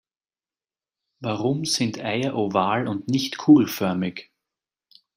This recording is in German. Warum sind Eier oval und nicht kugelförmig?